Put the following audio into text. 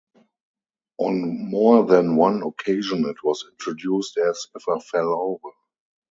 On more than one occasion it was introduced as "If I Fell Over".